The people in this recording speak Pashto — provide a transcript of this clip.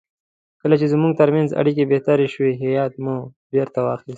کله چې زموږ ترمنځ اړیکې بهتر شوې هیات مو بیرته وایست.